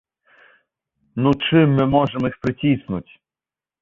Ну чым мы можам іх прыціснуць?